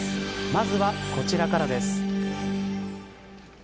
まずは、こちらからです。